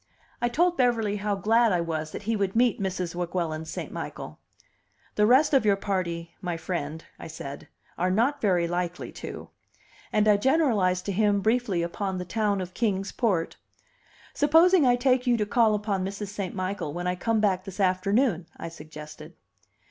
I told Beverly how glad I was that he would meet Mrs. Weguelin St. Michael. "The rest of your party, my friend," I said, "are not very likely to." And I generalized to him briefly upon the town of Kings Port. "Supposing I take you to call upon Mrs. St. Michael when I come back this afternoon?" I suggested.